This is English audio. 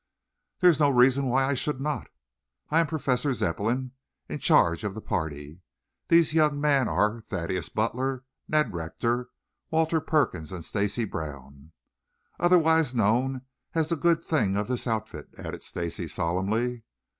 "There is no reason why I should not. I am Professor Zepplin, in charge of the party. These young men are Thaddeus Butler, Ned Rector, Walter Perkins and Stacy Brown " "Otherwise known as the good thing of this outfit," added Stacy solemnly.